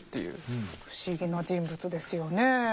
不思議な人物ですよね。